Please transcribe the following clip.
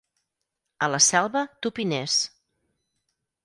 A la Selva, tupiners.